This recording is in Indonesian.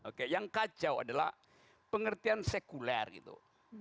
oke yang kacau adalah pengertian sekuler gitu